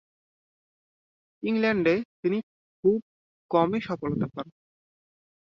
ইংল্যান্ডে তিনি খুব কমই সফলতা পান।